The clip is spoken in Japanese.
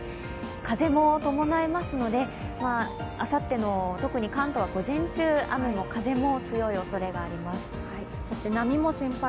風も伴いますのであさっての特に関東は午前中雨も風も強いおそれがあります。